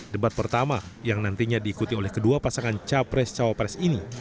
debat pertama yang nantinya diikuti oleh kedua pasangan capres cawapres ini